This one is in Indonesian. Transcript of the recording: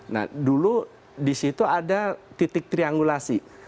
nah dulu di situ ada titik triangulasi